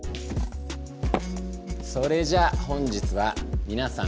それじゃあ本日はみなさん